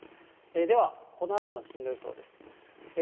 では、このあとの進路予想です。